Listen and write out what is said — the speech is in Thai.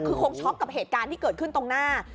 คือคงช็อกกับเหตุการณ์ที่เกิดขึ้นตรงหน้า